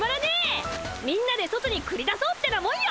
みんなで外にくり出そうってなもんよ。